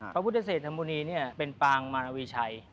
พระพุทธเศรษฐมุณีเป็นปางมารวีชัย